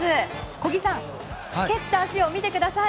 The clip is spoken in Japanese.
小木さん、蹴った足を見てください。